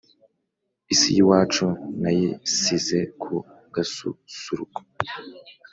isi y’iwacu nayisize ku gasusuruko